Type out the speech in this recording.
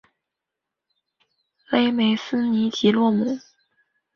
勒梅斯尼吉洛姆。